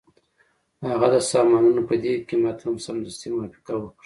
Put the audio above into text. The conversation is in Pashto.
هغه د سامانونو په دې قیمت هم سمدستي موافقه وکړه